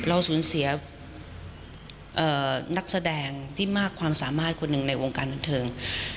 เราสูญเสียนักแสดงที่มากความสามารถคนหนึ่งในวงการบันเทิง